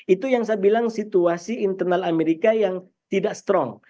itu yang saya bilang situasi internal amerika yang tidak strong